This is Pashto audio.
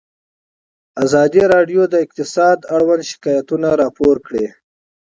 ازادي راډیو د اقتصاد اړوند شکایتونه راپور کړي.